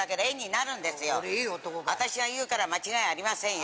私が言うから間違いありませんよ。